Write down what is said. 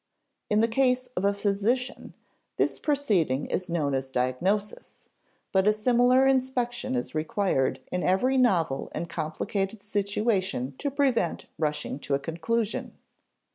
In the case of a physician this proceeding is known as diagnosis, but a similar inspection is required in every novel and complicated situation to prevent rushing to a conclusion.